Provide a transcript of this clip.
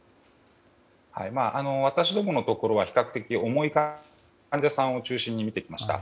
私どものところは比較的重い患者さんを中心に診てきました。